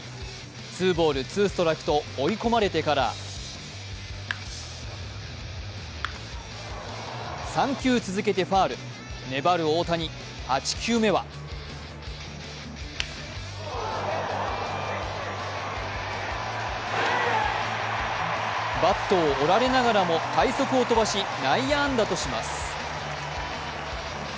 ツーボール・ツーストライクと追い込まれてから３球続けてファウル粘る大谷、８球目はバットを折られながらも快足を飛ばし内野安打とします。